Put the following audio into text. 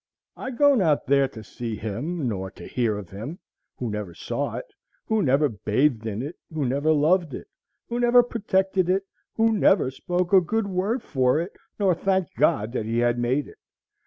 I go not there to see him nor to hear of him; who never saw it, who never bathed in it, who never loved it, who never protected it, who never spoke a good word for it, nor thanked God that he had made it.